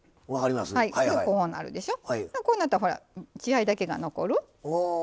こうなったら血合いだけが残る。